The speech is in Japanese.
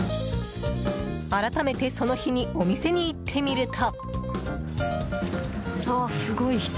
改めて、その日にお店に行ってみると。